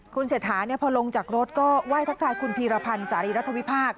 คุณเศรษฐาพอลงจากรถก็ไหว้ทักทายคุณพีรพันธ์สารีรัฐวิพากษ